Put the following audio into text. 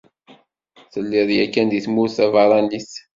Telliḍ yakkan deg tmurt tabeṛṛanit?